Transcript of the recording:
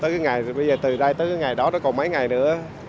chỉ ra tới cái ngày đó nó còn mấy ngày nữa